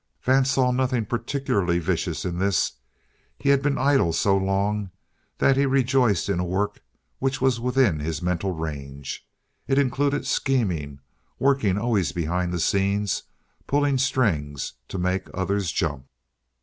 Vance saw nothing particularly vicious in this. He had been idle so long that he rejoiced in a work which was within his mental range. It included scheming, working always behind the scenes, pulling strings to make others jump.